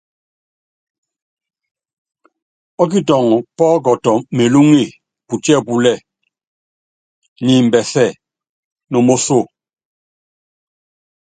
Ɔ́kitɔŋɔ pɔ́kɔtɔ melúŋe putíɛ́púlɛ́ɛ niimbɛsɛ no moso.